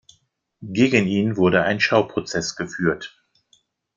Gegen ihn wurde ein Schauprozess geführt.